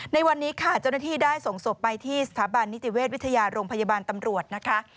ในวันนี้ค่ะเจ้าหน้าที่ได้ส่งศพไปที่สถาบันนิติเวชวิทยาโรงพยาบาลตำรวจนะคะ